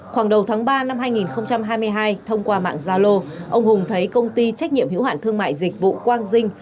khoảng đầu tháng ba năm hai nghìn hai mươi hai thông qua mạng zalo ông hùng thấy công ty trách nhiệm hữu hạn thương mại dịch vụ quang dinh